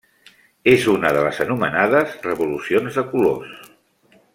És una de les anomenades Revolucions de colors.